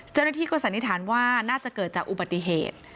เจ้าหน้าที่ก็สันนิษฐานว่าน่าจะเกิดจากอุบัติเหตุ